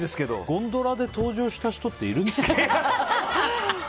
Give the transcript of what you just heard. ゴンドラで登場した人っているんですかね。